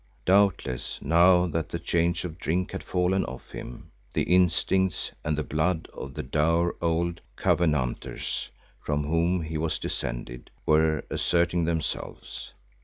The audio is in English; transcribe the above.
Doubtless now that the chains of drink had fallen off him, the instincts and the blood of the dour old Covenanters from whom he was descended, were asserting themselves.